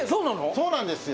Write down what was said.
そうなんですよ。